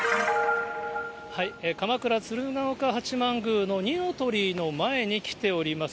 鎌倉、鶴岡八幡宮の二の鳥居の前に来ております。